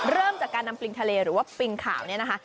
เริ่มจากการนำปริงทะเลหรือว่าปริงขาวเนี่ยนะคะ